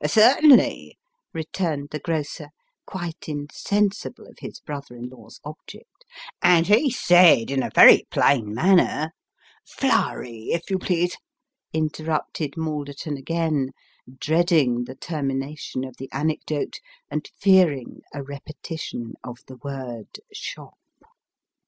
" Certainly," returned the grocer, quite insensible of his brother in law's object " and he said in a very plain manner "" Floury, if you please," interrupted Malderton again ; dreading the termination of the anecdote, and fearing a repetition of the word " shop."